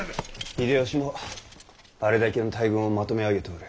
秀吉もあれだけの大軍をまとめ上げておる。